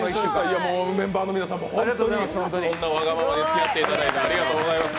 バンドの皆さんもありがとうございます。